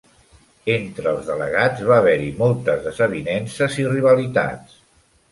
Entre els delegats va haver-hi moltes desavinences i rivalitats.